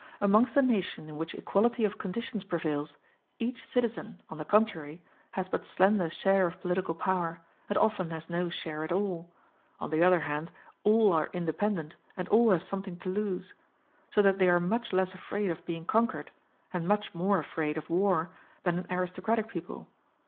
Amongst a nation in which equality of conditions prevails, each citizen, on the contrary, has but slender share of political power, and often has no share at all; on the other hand, all are independent, and all have something to lose; so that they are much less afraid of being conquered, and much more afraid of war, than an aristocratic people.